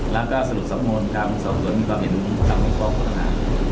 แล้วก็สรุปสัมมวลการสอบสนมีความเห็นสำเร็จพร้อมพันธ์หา